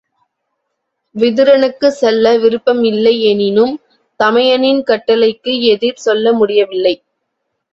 விதுரனுக்குச் செல்ல விருப்பம் இல்லை எனினும் தமையனின் கட்டளைக்கு எதிர் சொல்ல முடியவில்லை.